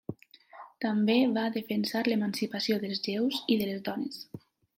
També va defensar l'emancipació dels jueus i de les dones.